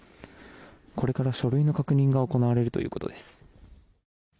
これから書類の確認が行われるということです。